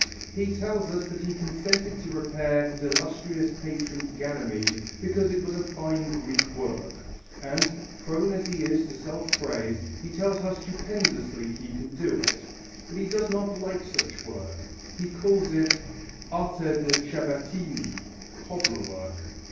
He tells us that he consented to repair his illustrious patron's Ganymede because it was a fine Greek work, and, prone as he is to self praise, he tells how stupendously he can do it; but he does not like such work, he calls it arte da Ciabattini (cobbler work).